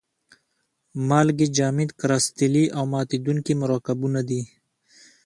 مالګې جامد کرستلي او ماتیدونکي مرکبونه دي.